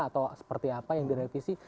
atau seperti apa yang direvisi